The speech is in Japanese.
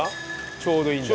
ちょうどいいんだ。